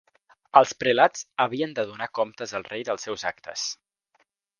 Els prelats havien de donar comptes al Rei dels seus actes.